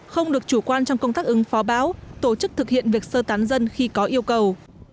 không được chủ quan trong công tác ứng phó bão tổ chức thực hiện việc sơ tán dân khi có yêu cầu